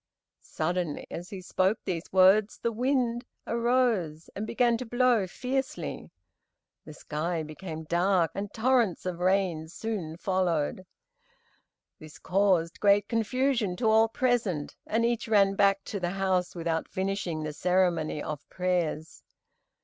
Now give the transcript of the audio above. Suddenly, as he spoke these words, the wind arose and began to blow fiercely. The sky became dark, and torrents of rain soon followed. This caused great confusion to all present, and each ran back to the house without finishing the ceremony of prayers.